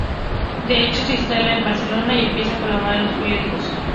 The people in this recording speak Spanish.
De hecho, se instala en Barcelona y empieza a colaborar en los periódicos.